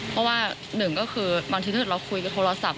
เพราะว่าหนึ่งก็คือบางทีถ้าเกิดเราคุยกับโทรศัพท์